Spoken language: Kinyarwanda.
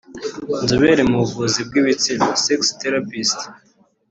Inzobere mu buvuzi bw’ibitsina’Sex therapist’